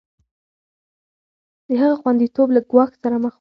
د هغه خونديتوب له ګواښ سره مخ و.